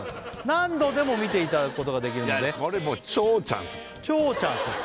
何度でも見ていただくことができるのでこれもう超チャンス超チャンスです